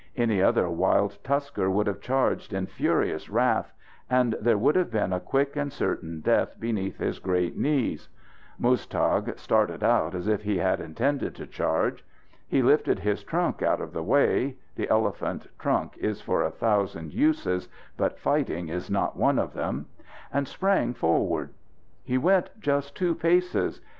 Any other wild tusker would have charged in furious wrath, and there would have been a quick and certain death beneath his great knees. Muztagh started out as if he had intended to charge. He lifted his trunk out of the way the elephant trunk is for a thousand uses, but fighting is not one of them and sprang forward. He went just two paces.